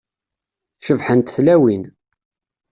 Cebḥent tlawin.